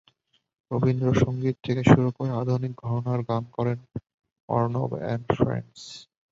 রবীন্দ্রসংগীত থেকে শুরু করে আধুনিক ঘরানার গান করেন অর্ণব অ্যান্ড ফ্রেন্ডস।